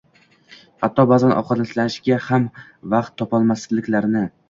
hatto ba'zan ovqatlanishga ham vaqt topolmasliklarini